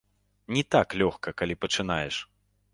Не так лёгка, калі пачынаеш.